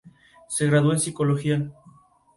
El alcohol es un depresor.